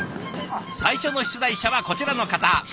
最初の出題者はこちらの方。